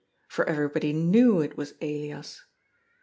For everybody knew it was Elias.